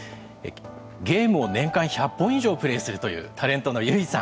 ゲームを年間１００本以上プレーするというタレントの結さん。